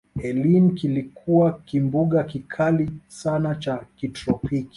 eline kilikuwa kimbunga kikali sana cha kitropiki